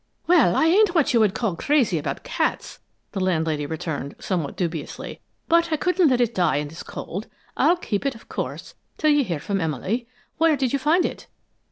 "Well, I ain't what you would call crazy about cats," the landlady returned, somewhat dubiously, "but I couldn't let it die in this cold. I'll keep it, of course, till you hear from Emily. Where did you find it?"